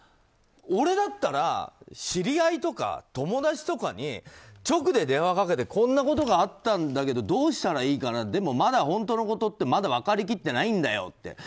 俺だったら知り合いとか友達とかに直で電話かけてこんなことがあったんだけどどうしたらいいかなでもまだ本当のことってまだ分かりきってないんだよって。